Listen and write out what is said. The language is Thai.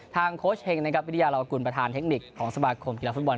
โค้ชเฮงนะครับวิทยาลาวกุลประธานเทคนิคของสมาคมกีฬาฟุตบอล